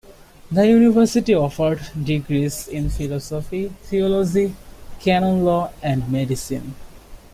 The university offered degrees in Philosophy, Theology, Canon law and Medicine.